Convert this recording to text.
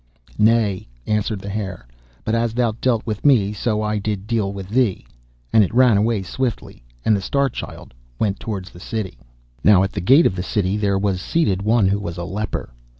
'Nay,' answered the Hare, 'but as thou dealt with me, so I did deal with thee,' and it ran away swiftly, and the Star Child went towards the city. Now at the gate of the city there was seated one who was a leper.